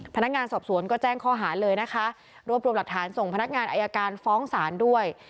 พนักงานสอบสวนก็แจ้งข้อหาเลยนะคะรวบรวมหลักฐานส่งพนักงานอายการฟ้องศาลด้วย